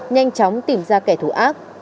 nhanh chóng tìm ra kẻ thù ác